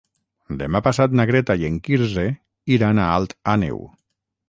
Demà passat na Greta i en Quirze iran a Alt Àneu.